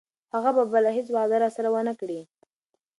هغه به بله هیڅ وعده راسره ونه کړي.